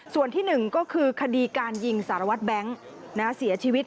ส่วนที่๑ก็คือคดีการยิงสารวัตรแบงค์เสียชีวิต